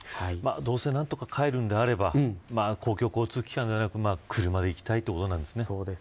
どうせ、何とか帰るのであれば公共交通機関ではなく車で行きたいということなんですね。